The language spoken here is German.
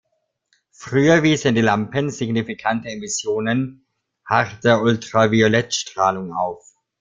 Früher wiesen die Lampen signifikante Emissionen harter Ultraviolettstrahlung auf.